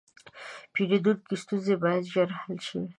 د پیرودونکو ستونزې باید ژر حل شي.